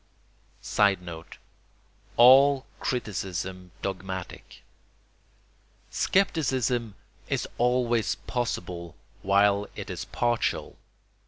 [Sidenote: All criticism dogmatic.] Scepticism is always possible while it is partial.